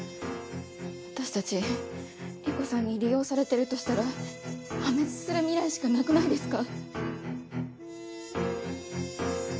私たち理子さんに利用されてるとしたら破滅する未来しかなくないですか？